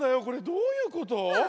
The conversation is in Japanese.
どういうこと？